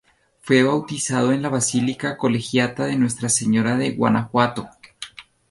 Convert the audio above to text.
Fue bautizado en la Basílica Colegiata de Nuestra Señora de Guanajuato.